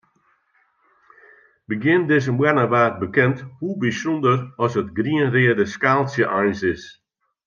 Begjin dizze moanne waard bekend hoe bysûnder as it grien-reade skaaltsje eins is.